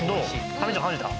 神ちゃん感じた？